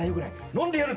飲んでやる。